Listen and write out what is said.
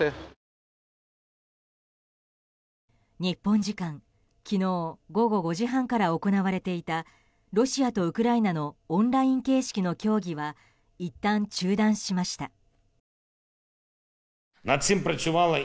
日本時間、昨日午後５時半から行われていたロシアとウクライナのオンライン形式の協議はいったん中断しました。